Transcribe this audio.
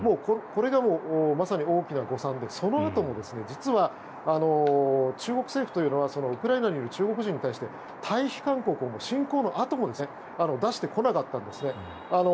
これがもうまさに大きな誤算でそのあとも実は、中国政府というのはウクライナにいる中国人に対して退避勧告を侵攻のあとも出してこなかったんですね。